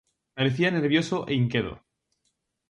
Parecía nervioso e inquedo.